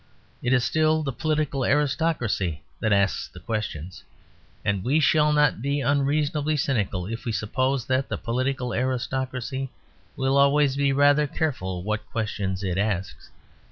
It is still the political aristocracy that asks the questions. And we shall not be unreasonably cynical if we suppose that the political aristocracy will always be rather careful what questions it asks.